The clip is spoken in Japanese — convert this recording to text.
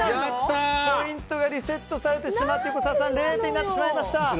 ポイントがリセットされてしまって横澤さんは０点になってしまいました。